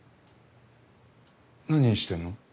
何してんの？